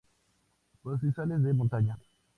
Pastizales de montaña.